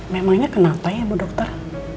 memangnya kenapa ya bu dokter